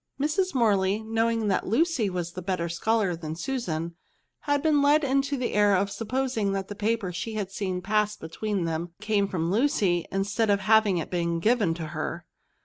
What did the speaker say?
Mrs. Morley, knowing that Lucy was a VERBS. 245 better scholar than Susan, had been led into the error of supposing that the paper she had seen pass between them came from Lucy, instead of having been given to her.